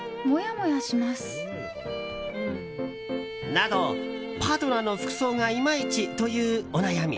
など、パートナーの服装がいまいちというお悩み。